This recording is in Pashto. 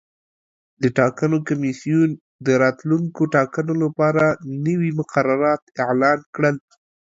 د ټاکنو کمیسیون د راتلونکو ټاکنو لپاره نوي مقررات اعلان کړل.